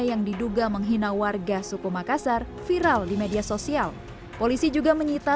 yang diduga menghina warga suku makassar viral di media sosial polisi juga menyita